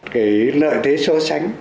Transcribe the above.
cái lợi thế so sánh